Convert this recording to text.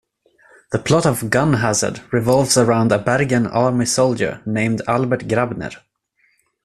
The plot of "Gun Hazard" revolves around a Bergen Army soldier named Albert Grabner.